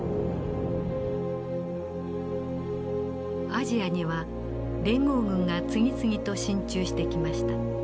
アジアには連合軍が次々と進駐してきました。